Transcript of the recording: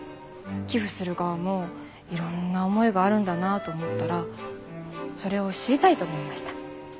寄付する側もいろんな思いがあるんだなと思ったらそれを知りたいと思いました。